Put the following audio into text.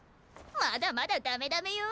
まだまだダメダメよ！